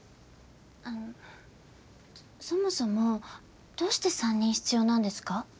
あのそもそもどうして３人必要なんですか？